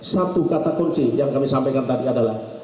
satu kata kunci yang kami sampaikan tadi adalah